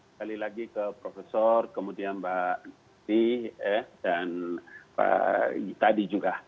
sekali lagi ke profesor kemudian mbak titi dan pak tadi juga